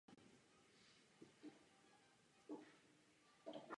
Svátek má Jaroslav.